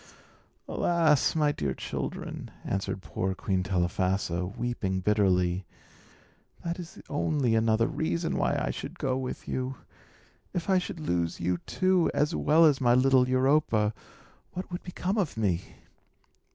"Alas! my dear children," answered poor Queen Telephassa, weeping bitterly, "that is only another reason why I should go with you. If I should lose you, too, as well as my little Europa, what would become of me?"